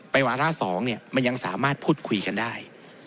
ไปวาล่าสองมันยังสามารถพูดคุยกันได้